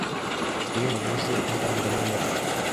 Iyo bavuze indangamanota,